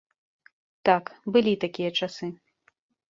Так, былі такія часы.